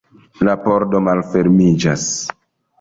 La pordo malfermiĝas.